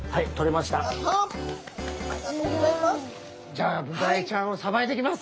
じゃあブダイちゃんをさばいていきます。